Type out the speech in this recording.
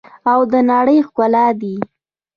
او د نړۍ ښکلا دي.